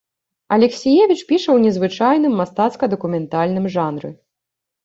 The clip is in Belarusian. Алексіевіч піша ў незвычайным мастацка-дакументальным жанры.